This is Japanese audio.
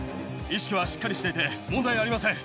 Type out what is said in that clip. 意識はしっかりしていて問題ありません。